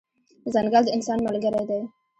ځنګل د انسان ملګری دی.